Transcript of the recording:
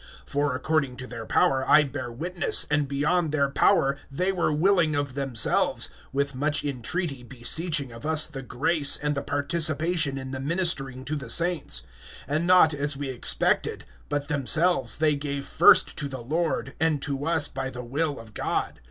(3)For according to their power, I bear witness, and beyond their power, they were willing of themselves; (4)with much entreaty beseeching of us the grace, and the participation in the ministering to the saints; (5)and not as we expected, but themselves they gave first to the Lord, and to us by the will of God.